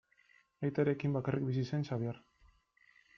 Aitarekin bakarrik bizi zen Xabier.